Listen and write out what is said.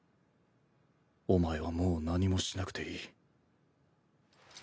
お前はもう何もしなくていい。